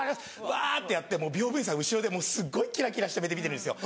わってやって美容部員さん後ろですっごいキラキラした目で見てるんですよ。